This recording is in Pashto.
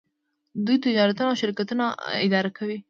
دوی تجارتونه او شرکتونه اداره کوي.